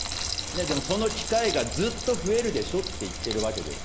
でもその機会がずっと増えるでしょって言ってるわけです。